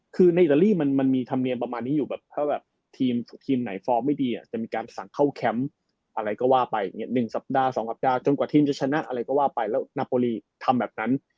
คือในอิตาลีมันมีธรรมเนียมประมาณนี้อยู่แบบถ้าแบบทีมไหนฟอร์มไม่ดีจะมีการสั่งเข้าแคมป์อะไรก็ว่าไปอย่างนี้๑สัปดาห์๒สัปดาห์จนกว่าทีมจะชนะอะไรก็ว่าไปแล้วนาโปรลีทำแบบนั้น